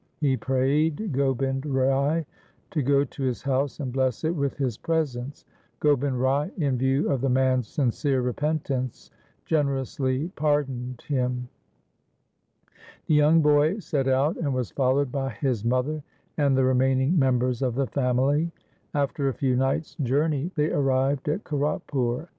He prayed Gobind Rai to go to his house and bless it with his presence. Gobind Rai in view of the man's sincere repentance generously pardoned him. The young boy set out, and was followed by his mother and the remaining members of the family. After a few nights' journey they arrived at Kiratpur.